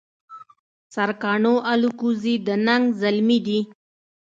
سرکاڼو الکوزي د ننګ زلمي دي